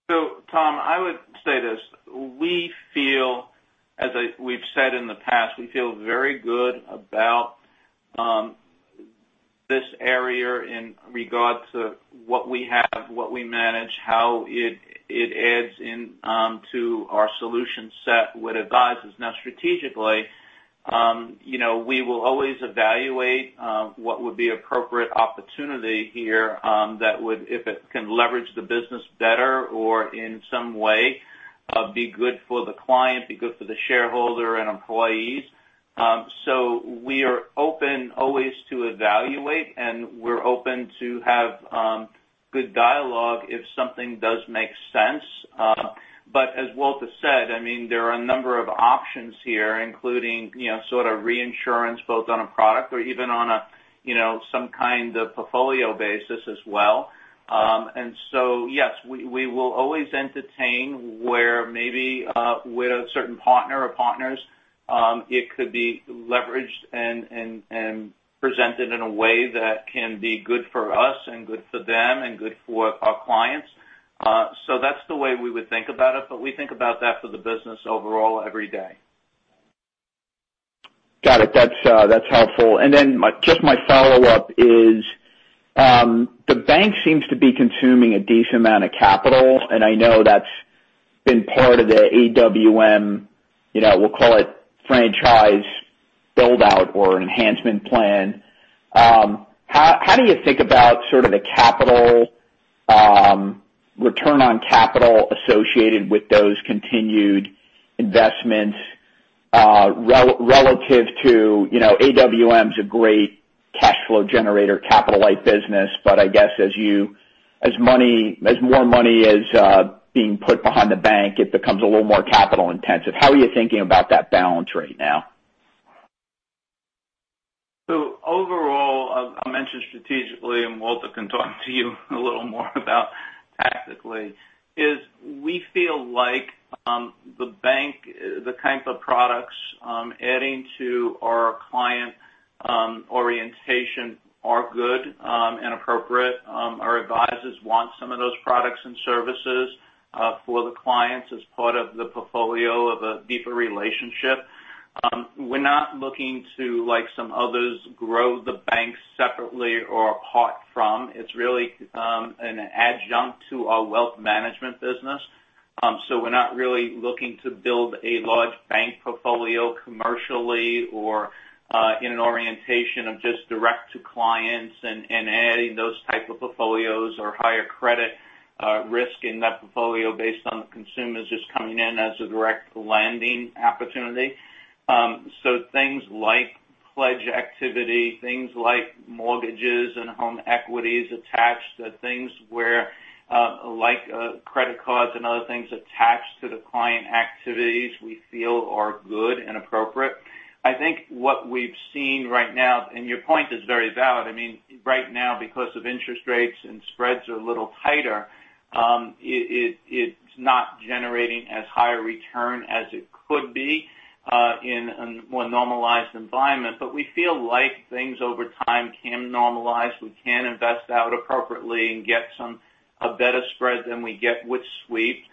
Tom, I would say this. We feel, as we've said in the past, we feel very good about this area in regards to what we have, what we manage, how it adds into our solution set with advisors. Strategically, we will always evaluate what would be appropriate opportunity here that would, if it can leverage the business better or in some way be good for the client, be good for the shareholder and employees. We are open always to evaluate, and we're open to have good dialogue if something does make sense. As Walter said, there are a number of options here, including sort of reinsurance, both on a product or even on some kind of portfolio basis as well. Yes, we will always entertain where maybe with a certain partner or partners it could be leveraged and presented in a way that can be good for us and good for them and good for our clients. That's the way we would think about it, but we think about that for the business overall every day. Got it. That's helpful. Then just my follow-up is the bank seems to be consuming a decent amount of capital, and I know that's been part of the AWM, we'll call it franchise build-out or enhancement plan. How do you think about sort of the return on capital associated with those continued investments relative to AWM's a great cash flow generator capital-light business, but I guess as more money is being put behind the bank, it becomes a little more capital intensive. How are you thinking about that balance right now? Overall, I'll mention strategically, and Walter can talk to you a little more about tactically, is we feel like the bank, the kinds of products adding to our client orientation are good and appropriate. Our advisors want some of those products and services for the clients as part of the portfolio of a deeper relationship. We're not looking to, like some others, grow the bank separately or apart from. It's really an adjunct to our Wealth Management business. We're not really looking to build a large bank portfolio commercially or in an orientation of just direct to clients and adding those type of portfolios or higher credit risk in that portfolio based on the consumers just coming in as a direct lending opportunity. Things like pledge activity, things like mortgages and home equities attached to things where like credit cards and other things attached to the client activities we feel are good and appropriate. I think what we've seen right now, and your point is very valid. Right now, because of interest rates and spreads are a little tighter, it's not generating as high a return as it could be in a more normalized environment. We feel like things over time can normalize. We can invest out appropriately and get a better spread than we get with sweep.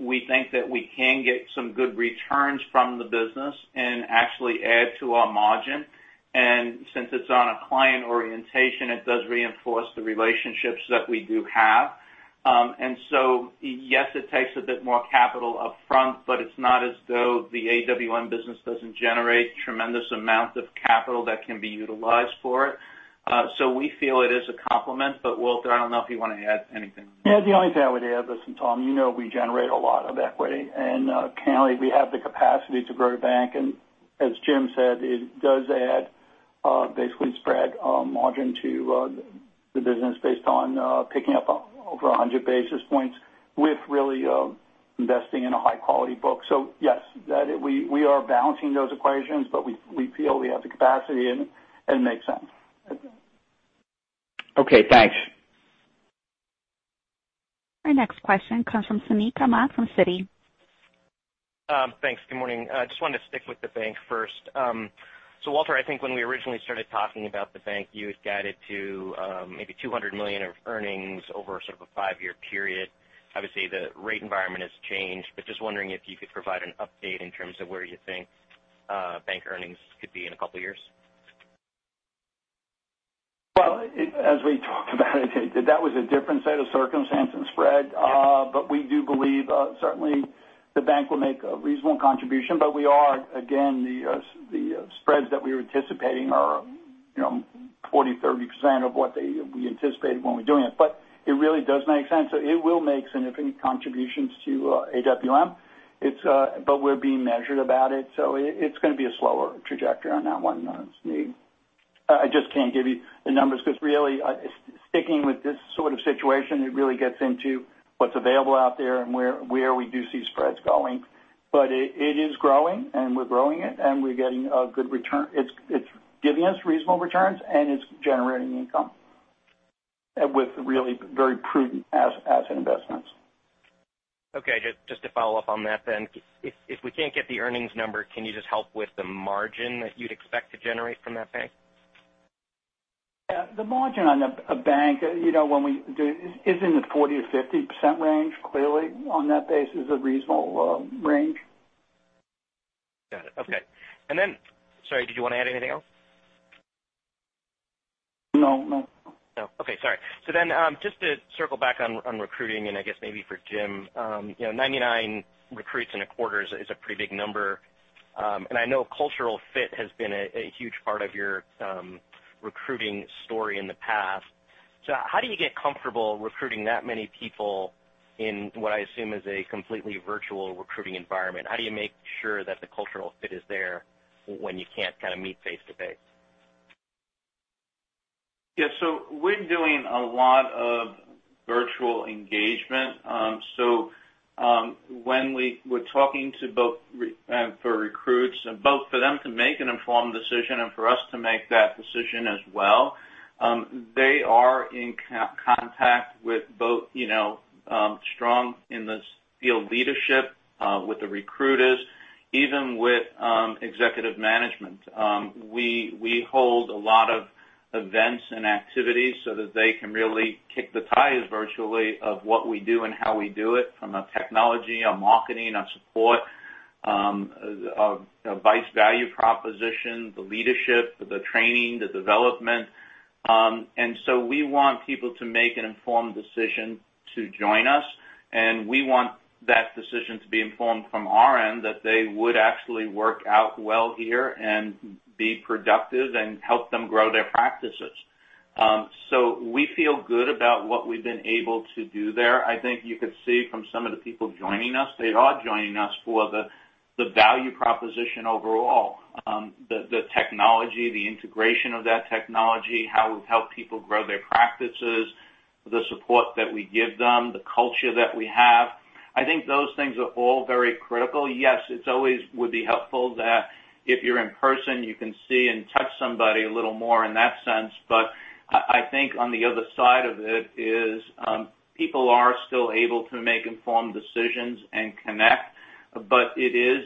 We think that we can get some good returns from the business and actually add to our margin. Since it's on a client orientation, it does reinforce the relationships that we do have. Yes, it takes a bit more capital upfront, but it's not as though the AWM business doesn't generate tremendous amounts of capital that can be utilized for it. We feel it is a complement. Walter, I don't know if you want to add anything. Yeah. The only thing I would add, listen, Tom, you know we generate a lot of equity, and currently we have the capacity to grow bank. As Jim said, it does add basically spread margin to the business based on picking up over 100 basis points with really investing in a high-quality book. Yes, we are balancing those equations, but we feel we have the capacity and it makes sense. Okay. Thanks. Our next question comes from Suneet Kamath from Citi. Thanks. Good morning. I just wanted to stick with the bank first. Walter, I think when we originally started talking about the bank, you had guided to maybe $200 million of earnings over sort of a five-year period. Obviously, the rate environment has changed, but just wondering if you could provide an update in terms of where you think bank earnings could be in a couple of years. Well, as we talked about it, that was a different set of circumstances, Fred. Yeah. We do believe certainly the bank will make a reasonable contribution. We are, again, the spreads that we were anticipating are 40%, 30% of what we anticipated when we were doing it. It really does make sense. It will make significant contributions to AWM. We're being measured about it, so it's going to be a slower trajectory on that one, Suneet. I just can't give you the numbers because really, sticking with this sort of situation, it really gets into what's available out there and where we do see spreads going. It is growing, and we're growing it, and we're getting a good return. It's giving us reasonable returns, and it's generating income with really very prudent asset investments. Just to follow up on that, if we can't get the earnings number, can you just help with the margin that you'd expect to generate from that bank? Yeah. The margin on a bank is in the 40%-50% range, clearly, on that basis, a reasonable range. Got it. Okay. Sorry, did you want to add anything else? No. No. Okay. Sorry. Just to circle back on recruiting, and I guess maybe for Jim. 99 recruits in a quarter is a pretty big number. I know cultural fit has been a huge part of your recruiting story in the past. How do you get comfortable recruiting that many people in what I assume is a completely virtual recruiting environment? How do you make sure that the cultural fit is there when you can't kind of meet face-to-face? Yeah. We're doing a lot of virtual engagement. When we were talking for recruits, both for them to make an informed decision and for us to make that decision as well, they are in contact with both strong in the field leadership, with the recruiters, even with executive management. We hold a lot of events and activities so that they can really kick the tires virtually of what we do and how we do it, from a technology, a marketing, a support, a advice value proposition, the leadership, the training, the development. We want people to make an informed decision to join us, and we want that decision to be informed from our end that they would actually work out well here and be productive and help them grow their practices. We feel good about what we've been able to do there. I think you could see from some of the people joining us, they are joining us for the value proposition overall. The technology, the integration of that technology, how we've helped people grow their practices, the support that we give them, the culture that we have. I think those things are all very critical. Yes, it always would be helpful that if you're in person, you can see and touch somebody a little more in that sense. I think on the other side of it is people are still able to make informed decisions and connect. It is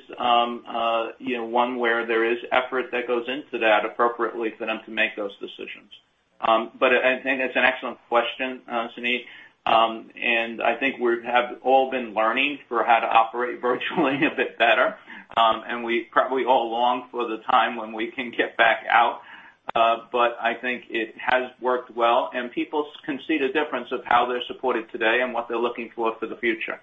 one where there is effort that goes into that appropriately for them to make those decisions. I think that's an excellent question, Suneet. I think we have all been learning for how to operate virtually a bit better. We probably all long for the time when we can get back out. I think it has worked well, and people can see the difference of how they're supported today and what they're looking for for the future.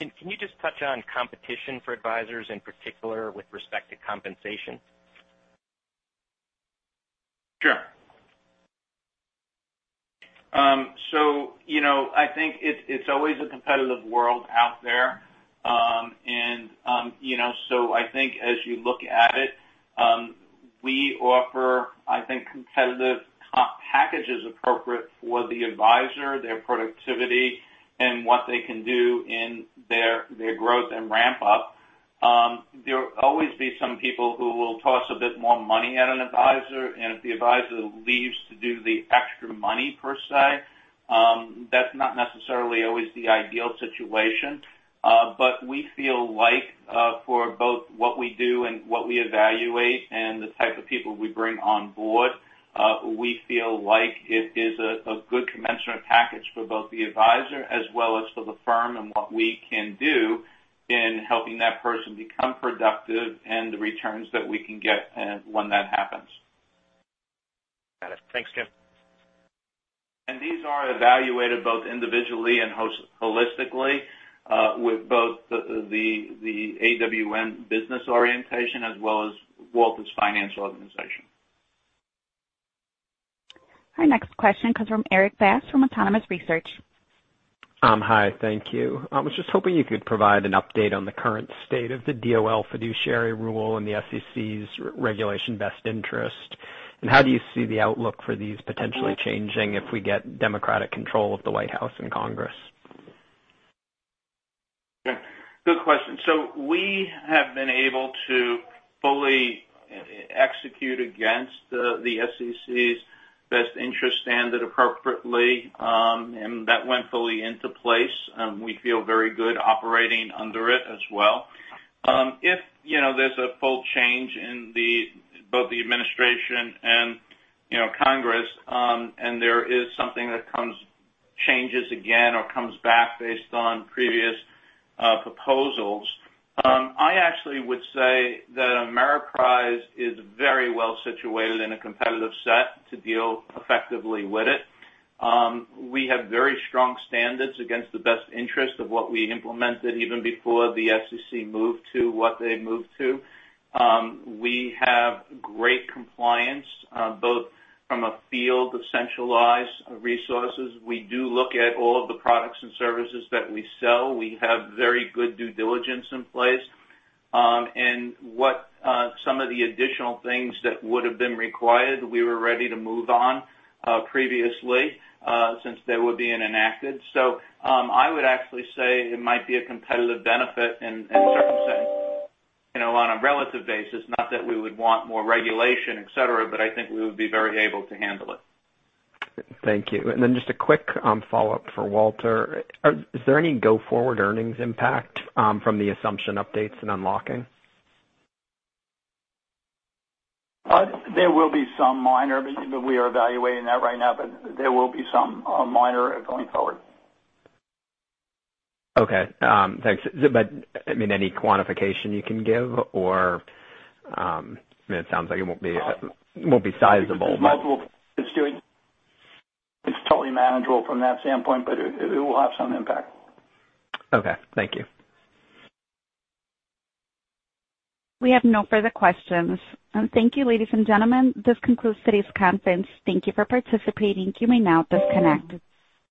Can you just touch on competition for advisors in particular with respect to compensation? Sure. I think it's always a competitive world out there. I think as you look at it, we offer, I think, competitive packages appropriate for the advisor, their productivity, and what they can do in their growth and ramp up. There will always be some people who will toss a bit more money at an advisor, and if the advisor leaves to do the extra money per se, that's not necessarily always the ideal situation. We feel like for both what we do and what we evaluate and the type of people we bring on board, we feel like it is a good commensurate package for both the advisor as well as for the firm and what we can do in helping that person become productive and the returns that we can get when that happens. Got it. Thanks, Jim. These are evaluated both individually and holistically with both the AWM business orientation as well as Walter's financial organization. Our next question comes from Erik Bass from Autonomous Research. Hi. Thank you. I was just hoping you could provide an update on the current state of the DOL fiduciary rule and the SEC's Regulation Best Interest, how do you see the outlook for these potentially changing if we get Democratic control of the White House and Congress? Yeah. Good question. We have been able to fully execute against the SEC's Best Interest Standard appropriately. That went fully into place. We feel very good operating under it as well. If there's a full change in both the administration and Congress, and there is something that changes again or comes back based on previous proposals, I actually would say that Ameriprise is very well situated in a competitive set to deal effectively with it. We have very strong standards against the best interest of what we implemented even before the SEC moved to what they moved to. We have great compliance both from a field of centralized resources. We do look at all of the products and services that we sell. We have very good due diligence in place. Some of the additional things that would've been required, we were ready to move on previously since they were being enacted. I would actually say it might be a competitive benefit in certain sense on a relative basis, not that we would want more regulation, et cetera, but I think we would be very able to handle it. Thank you. Then just a quick follow-up for Walter. Is there any go forward earnings impact from the assumption updates and unlocking? There will be some minor, but we are evaluating that right now. There will be some minor going forward. Okay. Thanks. Any quantification you can give, or it sounds like it won't be sizable. It's totally manageable from that standpoint, but it will have some impact. Okay. Thank you. We have no further questions. Thank you, ladies and gentlemen. This concludes today's conference. Thank you for participating. You may now disconnect.